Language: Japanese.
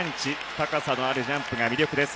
高さのあるジャンプが魅力です。